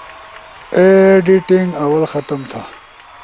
ایڈیٹینگ آول ختم تھا